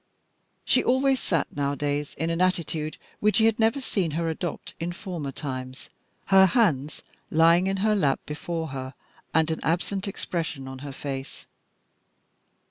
She always sat nowadays in an attitude which he had never seen her adopt in former times, her hands lying in her lap before her, and an absent expression on her face.